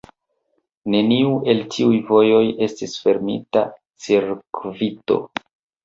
Neniu el tiuj vojoj estis fermita cirkvito.